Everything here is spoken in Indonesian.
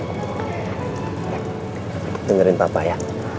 neng dengerin papa ya